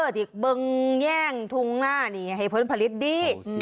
ที่บึงแย่งทุ่งหน้านี่ให้ผลผลิตดี